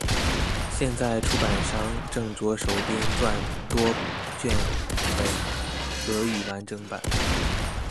现在出版商正着手编撰多卷本俄语完整版。